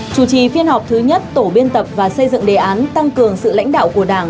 chủ trì phiên họp thứ nhất tổ biên tập và xây dựng đề án tăng cường sự lãnh đạo của đảng